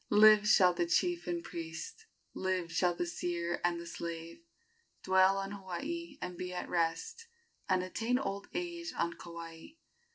Live shall the chief and priest, Live shall the seer and the slave, Dwell on Hawaii and be at rest, And attain old age on Kauai.